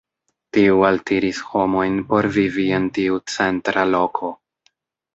Tiu altiris homojn por vivi en tiu centra loko.